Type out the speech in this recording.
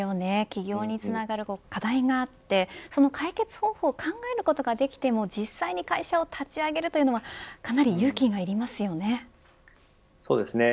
起業につながる課題があってその解決方法を考えることができても実際に会社を立ち上げるというのはかなり勇気がいりますよね。